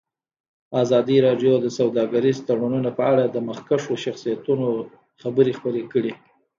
ازادي راډیو د سوداګریز تړونونه په اړه د مخکښو شخصیتونو خبرې خپرې کړي.